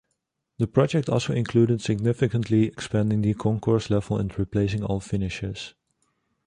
The project also included significantly expanding the concourse level and replacing all finishes.